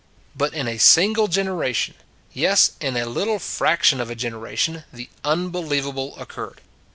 But in a single generation ; yes, in a little fraction of a generation, the unbelievable occurred.